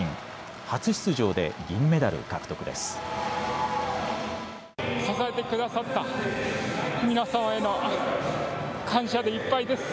初出場で銀メダル獲得です。